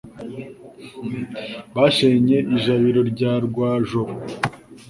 Bashenye ijabiro rya Rwajoro.